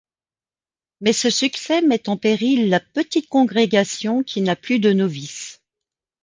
Mais ce succès met en péril la petite congrégation qui n’a plus de novices.